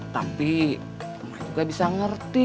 tapi emak juga bisa ngerti